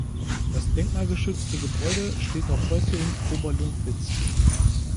Das denkmalgeschützte Gebäude steht noch heute in Oberlungwitz.